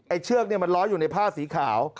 ไอ้เชือกนี่มันล้อยอยู่ในผ้าสีขาว